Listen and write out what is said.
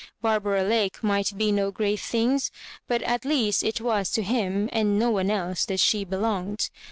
i. Barbara Lake might be no great things, but at least it was to him, and no one else, that she belonged.